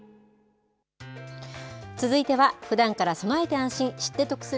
続いてはふだんから備えて安心、知って得する！